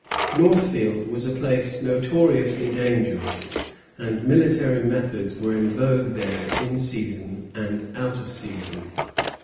] Northfield was a place notoriously dangerous, and military methods were in vogue there in season and out of season.